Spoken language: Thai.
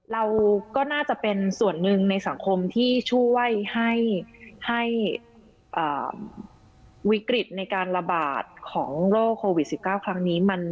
เราก็น่าจะเป็นส่วนหนึ่งในสังคมที่ช่วยให้วิกฤตในการระบาดของโรคโควิด๑๙ครั้งนี้